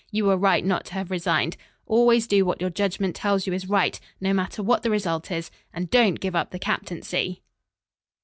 You were right not to have resigned. Always do what your judgment tells you is right, no matter what the result is, and don't give up the captaincy!"